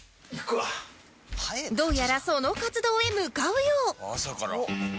どうやらその活動へ向かうよう